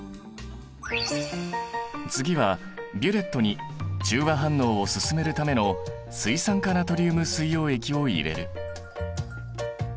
次はビュレットに中和反応を進めるための水酸化ナトリウム水溶液を入れる。